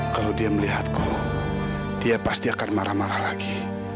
kalau dia melihatku dia pasti akan marah marah lagi